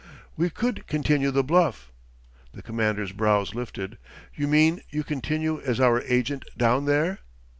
"We could continue the bluff." The Commander's brows lifted. "You mean you continue as our agent down there?"